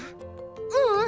ううん！